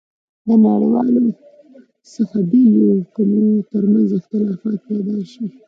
له نړیوالو څخه بېل یو، که مو ترمنځ اختلافات پيدا شي.